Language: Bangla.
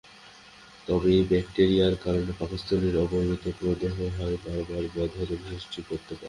তবে এই ব্যাকটেরিয়ার কারণে পাকস্থলীর আবরণীতে প্রদাহ হয়ে বারবার বদহজম সৃষ্টি করতে পারে।